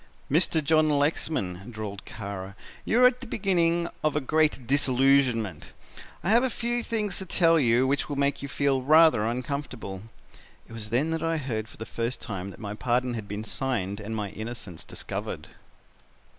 "'Mr. John Lexman,' drawled Kara, 'you are at the beginning of a great disillusionment. I have a few things to tell you which will make you feel rather uncomfortable.' It was then that I heard for the first time that my pardon had been signed and my innocence discovered.